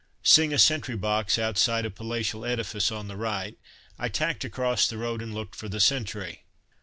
Seeing a sentry box outside a palatial edifice on the right, I tacked across the road and looked for the sentry.